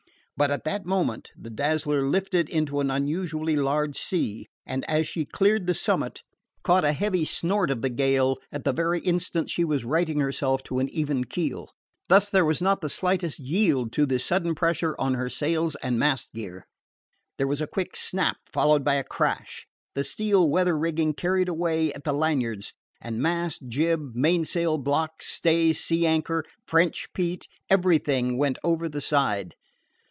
But at that moment the Dazzler lifted into an unusually large sea, and, as she cleared the summit, caught a heavy snort of the gale at the very instant she was righting herself to an even keel. Thus there was not the slightest yield to this sudden pressure on her sails and mast gear. There was a quick snap, followed by a crash. The steel weather rigging carried away at the lanyards, and mast, jib, mainsail, blocks, stays, sea anchor, French Pete everything went over the side.